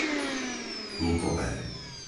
Lukové